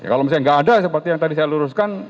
kalau misalnya nggak ada seperti yang tadi saya luruskan